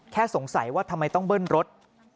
สงสัยว่าทำไมต้องเบิ้ลรถ